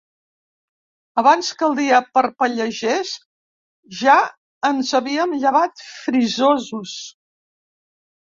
Abans que el dia parpellegés, ja ens havíem llevat frisosos.